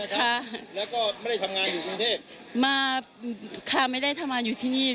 ค่ะแล้วก็ไม่ได้ทำงานอยู่กรุงเทพมาค่ะไม่ได้ทำงานอยู่ที่นี่